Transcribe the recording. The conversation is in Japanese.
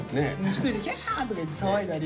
一人でヒャッハー！とか言って騒いだり。